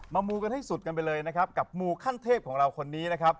มูกันให้สุดกันไปเลยนะครับกับมูขั้นเทพของเราคนนี้นะครับ